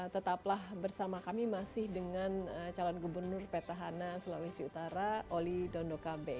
tetaplah bersama kami masih dengan calon gubernur petahana sulawesi utara oli dondokabe